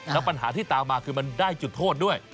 แล้วปัญหาที่ตามมาคือมันได้จุดโทษด้วย